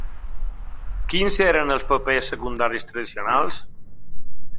Quins eren els papers secundaris tradicionals?